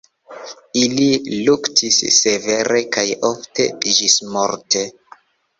Ili luktis severe kaj ofte ĝismorte.